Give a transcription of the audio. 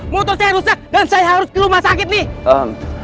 motor saya rusak dan saya harus ke rumah sakit nih